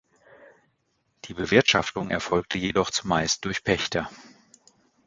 Die Bewirtschaftung erfolgte jedoch zumeist durch Pächter.